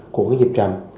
của cái nhiệp chậm